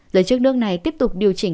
giới chức nước này tiếp tục điều chỉnh